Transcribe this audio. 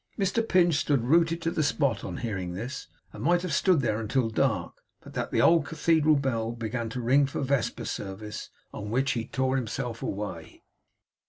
Mr Pinch stood rooted to the spot on hearing this, and might have stood there until dark, but that the old cathedral bell began to ring for vesper service, on which he tore himself away.